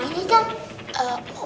hei sobri kamu ngapain sih